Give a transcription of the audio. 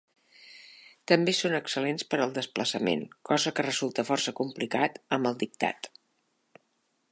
També són excel·lents per al desplaçament, cosa que resulta força complicat amb el dictat.